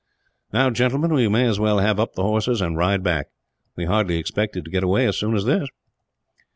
"Now, gentlemen, we may as well have up the horses, and ride back. We hardly expected to get away as soon as this."